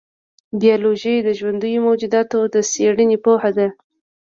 بایولوژي د ژوندیو موجوداتو د څېړنې پوهه ده.